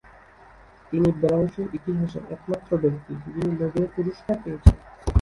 তিনি বেলারুশের ইতিহাসে একমাত্র ব্যক্তি, যিনি নোবেল পুরস্কার পেয়েছেন।